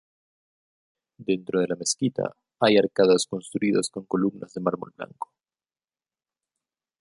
Dentro de la mezquita, hay arcadas construidas con columnas de mármol blanco.